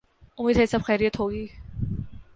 امید ہے سب خیریت ہو گی۔